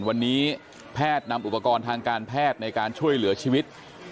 วันนี้แพทย์นำอุปกรณ์ทางการแพทย์ในการช่วยเหลือชีวิต